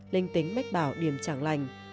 linh tính mách bảo điểm chẳng lành